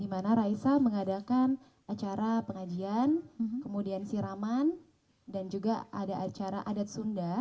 di mana raisa mengadakan acara pengajian kemudian siraman dan juga ada acara adat sunda